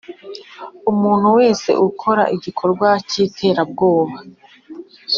Umuntu wese ukora igikorwa cy iterabwoba